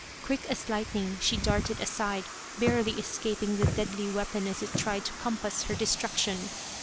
Quick as lightning she darted aside, barely escaping the deadly weapon as it tried to compass her destruc tion.